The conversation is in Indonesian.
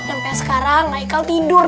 sampai sekarang haikal tidur